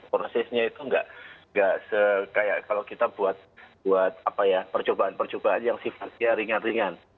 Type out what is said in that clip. prosesnya itu nggak se kayak kalau kita buat apa ya percobaan percobaan yang sifatnya ringan ringan